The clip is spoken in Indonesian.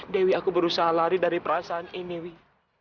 dewi aku berusaha lari dari perasaan ini wih